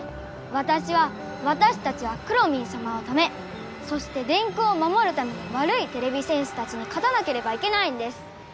わたしはわたしたちはくろミンさまのためそして電空をまもるためにわるいてれび戦士たちにかたなければいけないんです！